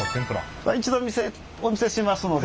一度お見せしますので。